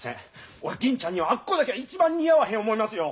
俺銀ちゃんにはあっこだけは一番似合わへん思いますよ。